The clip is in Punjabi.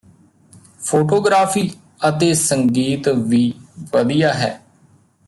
ਫ਼ੋਟੋਗ੍ਰਾਫ਼ੀ ਅਤੇ ਸੰਗੀਤ ਵੀ ਵਧੀਆ ਹੈ